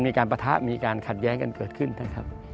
ปะทะมีการขัดแย้งกันเกิดขึ้นนะครับ